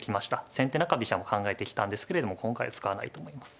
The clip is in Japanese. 先手中飛車も考えてきたんですけれども今回使わないと思います。